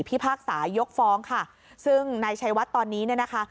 พิพากษายกฟ้องค่ะซึ่งนายชัยวัดตอนนี้เนี่ยนะคะ